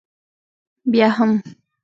بیا هم؟